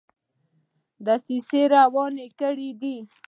دسیسه روانه کړي ده.